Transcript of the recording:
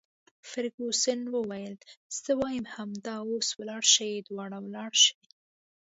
فرګوسن وویل: زه وایم همدا اوس ولاړ شئ، دواړه ولاړ شئ.